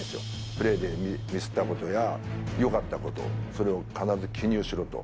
プレーでミスったことや、よかったこと、それを必ず記入しろと。